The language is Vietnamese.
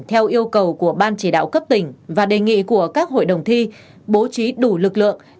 theo yêu cầu của ban chỉ đạo cấp tỉnh và đề nghị của các hội đồng thi bố trí đủ lực lượng